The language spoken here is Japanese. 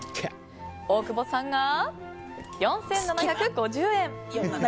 大久保さんが４７５０円。